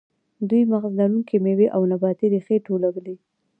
دوی مغز لرونکې میوې او نباتي ریښې ټولولې.